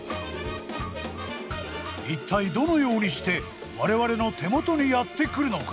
一体どのようにして我々の手元にやって来るのか？